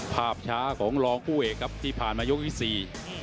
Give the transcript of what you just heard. ภาพช้าของรองผู้เอกครับที่ผ่านมายกที่สี่